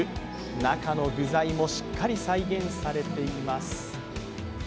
中の具材もしっかり再現されています。